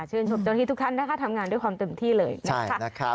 ชื่นชมจนที่ทุกท่านทำงานด้วยความเต็มที่เลย